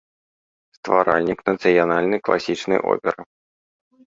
Стваральнік нацыянальнай класічнай оперы.